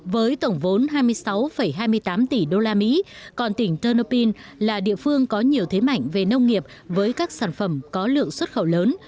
với tổng vốn hai mươi sáu hai mươi tám tỷ usd còn tỉnh tenopin là địa phương có nhiều thế mạnh về nông nghiệp với các sản phẩm có lượng xuất khẩu lớn